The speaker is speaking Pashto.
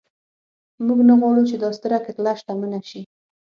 موږ نه غواړو چې دا ستره کتله شتمنه شي.